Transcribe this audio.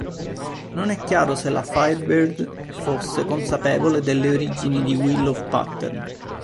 Non è chiaro se la Firebird fosse consapevole delle origini di "Willow Pattern".